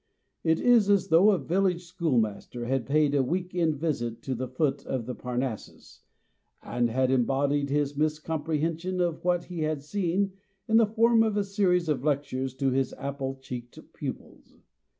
It is as though a village schoolmaster had paid a week end visit to the foot of Parnassus, and had embodied his miscomprehensions of what he had seen in the form of a series of lectures to his apple cheeked pupils.